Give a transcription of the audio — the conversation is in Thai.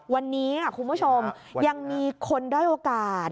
วันนี้คุณผู้ชมยังมีคนด้อยโอกาส